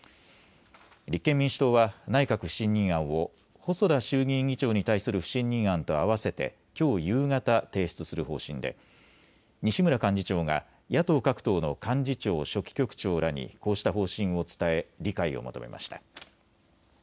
立憲民主党は内閣不信任案を細田衆議院議長に対する不信任案とあわせてきょう夕方、提出する方針で西村幹事長が野党各党の幹事長・書記局長らにこうした方針を伝え理解を求めました。